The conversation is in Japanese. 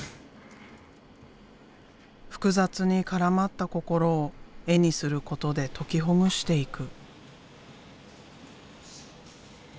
複雑に絡まった心を絵にすることで解きほぐしていく。